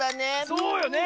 そうよね。